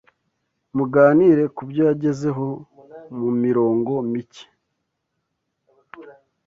Muganire kubyo yagezeho mumirongo mike